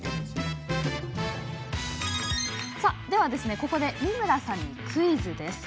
ここで美村さんにクイズです。